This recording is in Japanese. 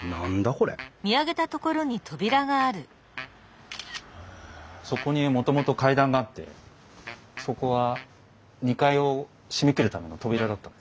これそこにもともと階段があってそこは２階を閉めきるための扉だったんです。